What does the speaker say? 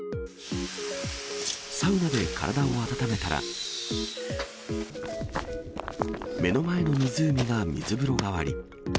サウナで体を温めたら、目の前の湖が水風呂代わり。